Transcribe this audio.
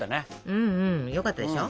うんうんよかったでしょ。